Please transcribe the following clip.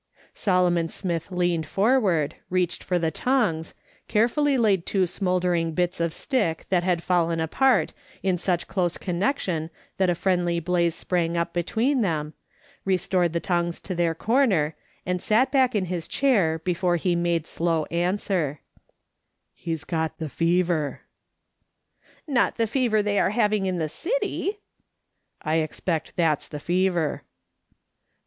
Solomon Smith leaned forward, reached for the tongs, carefully laid two smouldering bits of stick that had fallen apart in such close connection that a friendly blaze sprang up between them, restored the tongs to their corner, and sat back in his chair before he made slow answer : *'THKy UP AND CALLED HIM A FANATIC^ 281 " He's got the fever." " Not the fever they are having in the city \"" I expect that's the fever."